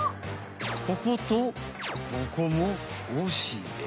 こことここもおしべ。